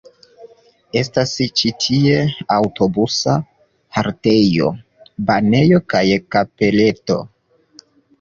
Estas ĉi tie aŭtobusa haltejo, banejo kaj kapeleto.